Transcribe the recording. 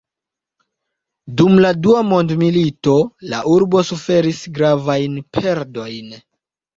Dum la dua mondmilito la urbo suferis gravajn perdojn.